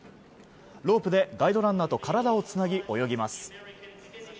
ロープでガイドランナーと体をつなぎ泳ぎます。